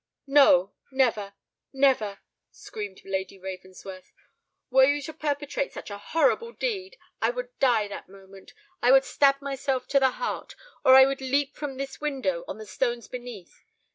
"No: never—never!" screamed Lady Ravensworth. "Were you to perpetrate such a horrible deed, I would die that moment—I would stab myself to the heart—or I would leap from this window on the stones beneath!